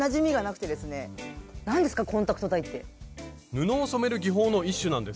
布を染める技法の一種なんです。